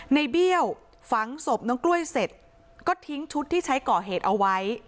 เบี้ยวฝังศพน้องกล้วยเสร็จก็ทิ้งชุดที่ใช้ก่อเหตุเอาไว้